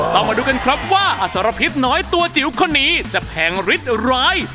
มาดูกันครับว่าอสรพิษน้อยตัวจิ๋วคนนี้จะแพงฤทธิ์ร้าย